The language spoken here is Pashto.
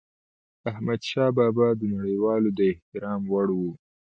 احمدشاه بابا د نړيوالو د احترام وړ و.